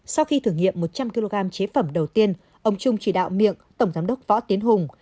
sau khi thử nghiệm một trăm linh kg chế phẩm đầu tiên ông trung chỉ đạo miệng tổng giám đốc võ tiến hùng